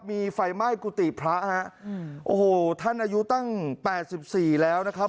มีไฟไหม้กุฏิพระฮะโอ้โหท่านอายุตั้ง๘๔แล้วนะครับ